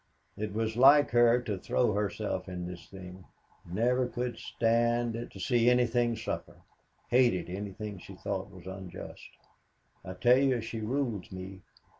"It was like her to throw herself in this thing. Never could stand it to see anything suffer hated anything she thought was unjust. "I tell you she rules me.